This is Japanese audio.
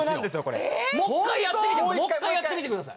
もう一回やってみてください。